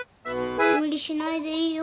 無理しないでいいよ。